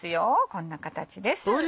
こんな形です。